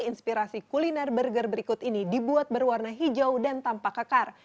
inspirasi kuliner burger berikut ini dibuat berwarna hijau dan tampak kekar